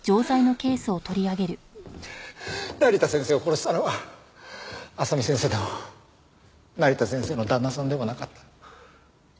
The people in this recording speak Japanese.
成田先生を殺したのは麻美先生でも成田先生の旦那さんでもなかった。